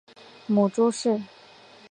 母朱氏。